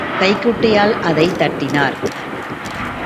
கைக்குட்டையால் அதைத் தட்டினார்.